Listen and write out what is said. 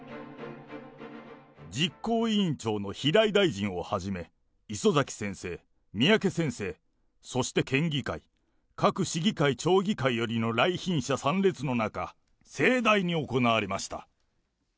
実行委員長の平井大臣をはじめ、磯崎先生、三宅先生、そして県議会、各市議会、町議会よりの来賓者参列の中、盛大に行われました。